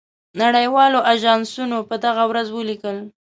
نړۍ والو آژانسونو په دغه ورځ ولیکل.